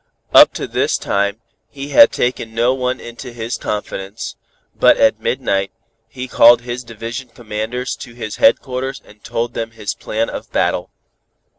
Up to this time, he had taken no one into his confidence, but at midnight, he called his division commanders to his headquarters and told them his plan of battle.